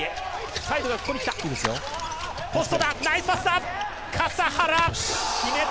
サイドがここに来た。